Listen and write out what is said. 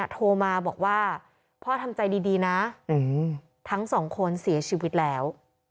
โทรมาบอกว่าพ่อทำใจดีนะทั้งสองคนเสียชีวิตแล้ว